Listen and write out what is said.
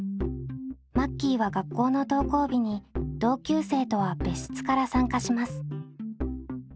マッキーは学校の登校日に同級生とは別室から参加します。